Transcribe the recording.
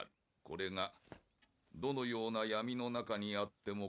「これがどのような闇の中にあっても」